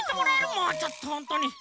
もうちょっとほんとに。